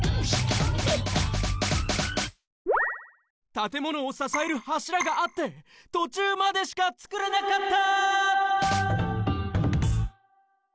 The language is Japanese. たてものをささえるはしらがあって途中までしか作れなかった！